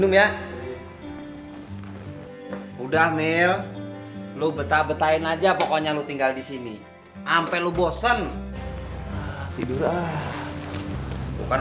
kalau lo pengen makan enak lo bilang gue